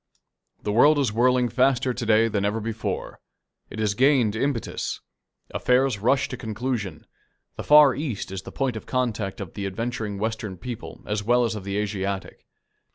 The world is whirling faster to day than ever before. It has gained impetus. Affairs rush to conclusion. The Far East is the point of contact of the adventuring Western people as well as of the Asiatic.